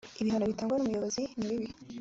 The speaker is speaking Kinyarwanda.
ibihano bitangwa n ubuyobozi nibibi